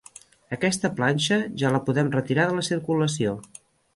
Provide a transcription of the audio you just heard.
Aquesta planxa, ja la podem retirar de la circulació.